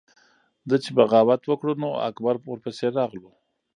ده چې بغاوت وکړو نو اکبر ورپسې راغلو۔